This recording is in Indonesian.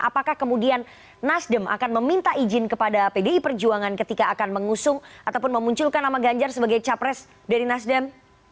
apakah kemudian nasdem akan meminta izin kepada pdi perjuangan ketika akan mengusung ataupun memunculkan nama ganjar sebagai capres dari nasdem